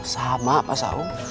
sama pak saung